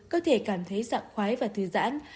cơ thể cảm thấy sẵn khoái và thư giãn